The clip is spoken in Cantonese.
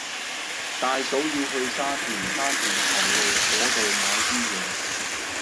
大嫂要去沙田沙田頭路嗰度買啲嘢